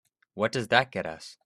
What does that get us?